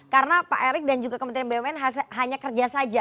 karena pak erick dan juga kementerian bumn hanya kerja saja